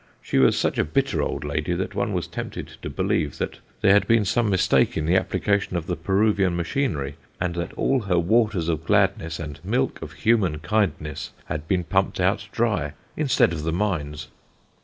She was such a bitter old lady, that one was tempted to believe there had been some mistake in the application of the Peruvian machinery, and that all her waters of gladness and milk of human kindness had been pumped out dry, instead of the mines.